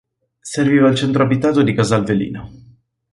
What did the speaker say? Serviva il centro abitato di Casal Velino.